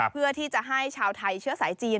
เพื่อที่จะให้ชาวไทยเชื้อสายจีน